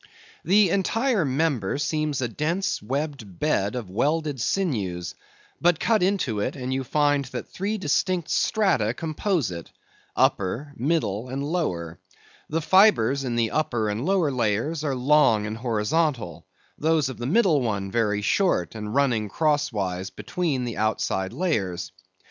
The entire member seems a dense webbed bed of welded sinews; but cut into it, and you find that three distinct strata compose it:—upper, middle, and lower. The fibres in the upper and lower layers, are long and horizontal; those of the middle one, very short, and running crosswise between the outside layers.